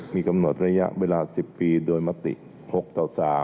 มีกำหนดระยะเวลา๑๐ปีโดยมติ๖ต่อ๓